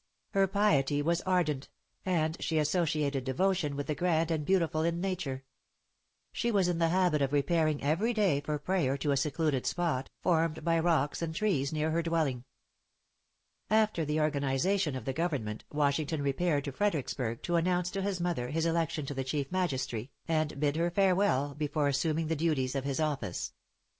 Her piety was ardent; and she associated devotion with the grand and beautiful in nature. She was in the habit of repairing every day for prayer to a secluded spot, formed by rocks and trees, near her dwelling. After the organization of the government, Washington repaired to Fredericksburg, to announce to his mother his election to the chief magistracy, and bid her farewell, before assuming the duties of his office.